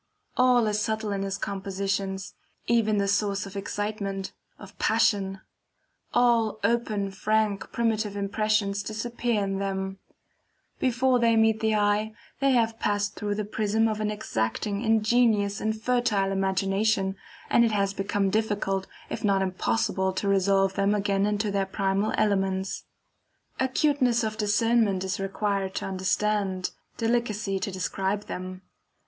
All is subtle in his compositions, even the source of excitement, of passion; all open, frank, primitive impressions disappear in them; before they meet the eye, they have passed through the prism of an exacting, ingenious, and fertile imagination, and it has become difficult if not impossible to resolve them again into their primal elements. Acuteness of discernment is required to understand, delicacy to describe them.